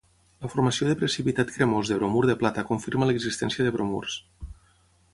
La formació de precipitat cremós de bromur de plata confirma l'existència de bromurs.